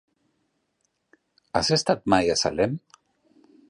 Has estat mai a Salem?